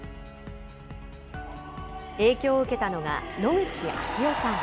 影響を受けたのが野口啓代さん。